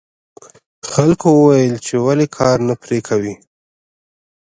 خلکو وویل چې ولې کار نه پرې کوې.